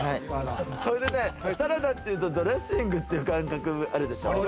サラダっていうとドレッシングっていう感覚、あるでしょ？